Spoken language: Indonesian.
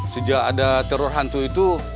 sejak ada teror hantu itu